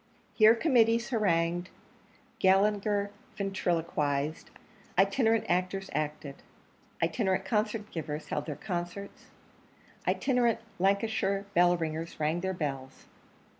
Here committees harangued; Gallagher ventriloquised; itinerant actors acted; itinerant concert givers held their concerts; itinerant Lancashire bell ringers rang their bells.